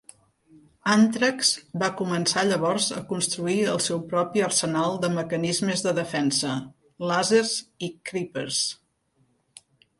"Antrax" va començar llavors a construir el seu propi arsenal de mecanismes de defensa: làsers i Creepers.